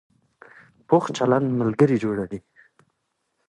پوخ چلند ملګري جوړوي